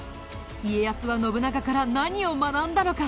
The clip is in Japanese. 家康は信長から何を学んだのか？